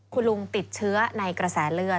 คุณลุงติดเชื้อในกระแสเลือด